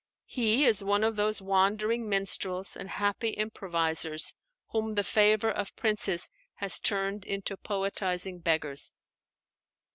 He is one of those wandering minstrels and happy improvisers whom the favor of princes had turned into poetizing beggars.